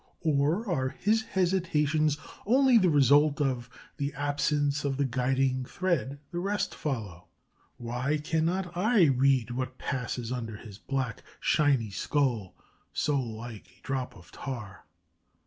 Or are his hesitations only the result of the absence of the guiding thread the rest follow? Why cannot I read what passes under his black, shiny skull, so like a drop of tar?